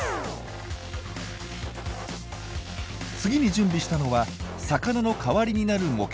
次に準備したのは魚の代わりになる模型。